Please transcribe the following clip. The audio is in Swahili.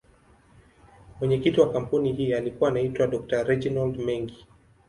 Mwenyekiti wa kampuni hii alikuwa anaitwa Dr.Reginald Mengi.